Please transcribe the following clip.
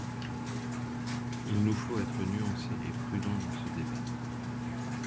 Il nous faut être nuancés et prudents dans ce débat.